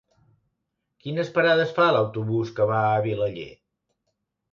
Quines parades fa l'autobús que va a Vilaller?